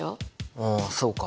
ああそうか。